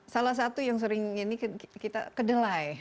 salah satu yang sering ini kita kedelai